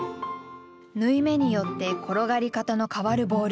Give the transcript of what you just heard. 縫い目によって転がり方の変わるボール。